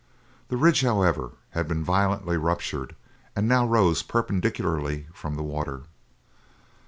The ridge, however, had been violently ruptured, and now rose perpendicularly from the water.